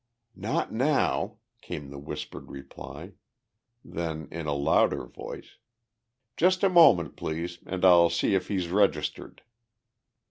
"Not now," came the whispered reply. Then, in a louder voice, "Just a moment, please, and I'll see if he's registered."